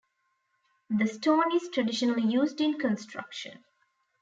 The stone is traditionally used in construction.